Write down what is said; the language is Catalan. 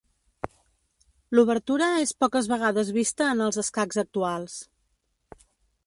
L'obertura és poques vegades vista en els escacs actuals.